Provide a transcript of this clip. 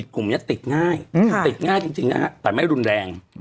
แต่ไม่รุนแรง